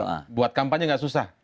tapi buat kampanye nggak susah